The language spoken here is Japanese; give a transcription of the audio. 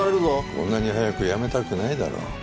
こんなに早く辞めたくないだろ？